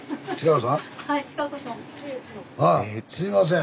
ああすいません。